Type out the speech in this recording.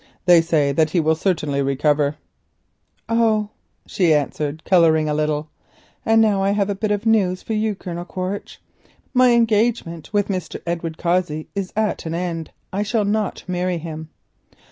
They say that he will certainly recover." "Oh," she answered, colouring a little, "and now I have a piece of news for you, Colonel Quaritch. My engagement with Mr. Edward Cossey is at an end. I shall not marry him."